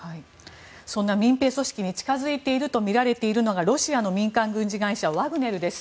そんな民兵組織に近づいているとみられているのがロシアの民間軍事会社ワグネルです。